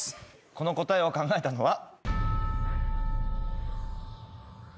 この答えを考えたのは。